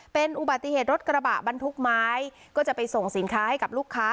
เป็นอุบัติเหตุรถกระบะบรรทุกไม้ก็จะไปส่งสินค้าให้กับลูกค้า